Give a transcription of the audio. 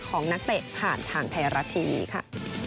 นักเตะผ่านทางไทยรัฐทีวีค่ะ